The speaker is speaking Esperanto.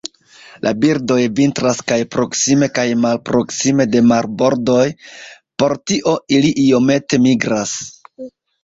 La birdoj vintras kaj proksime kaj malproksime de marbordoj, por tio ili iomete migras.